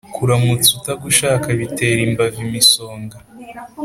Kuramutsa utagushaka bitera imbavu imisonga.